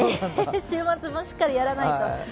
週末もしっかりやらないと。